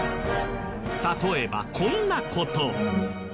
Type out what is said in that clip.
例えばこんな事。